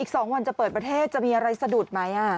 ๒วันจะเปิดประเทศจะมีอะไรสะดุดไหม